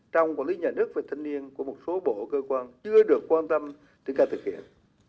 trong quản lý nhà nước về thanh niên của một số bộ cơ quan chưa được quan tâm triển khai thực hiện